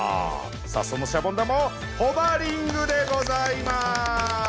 さあそのシャボン玉をホバリングでございます！